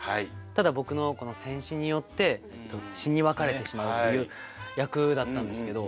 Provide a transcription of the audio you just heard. ただ僕の戦死によって死に別れてしまうという役だったんですけど。